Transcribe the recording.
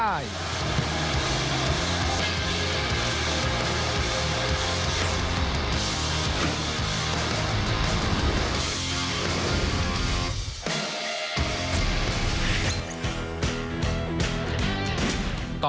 ไร้แค่พลี่ทั่วโมล่าเกิดเข้าทางลอด